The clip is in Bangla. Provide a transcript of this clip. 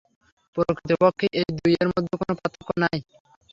প্রকৃতপক্ষে এই দুই-এর মধ্যে কোন পার্থক্য নাই।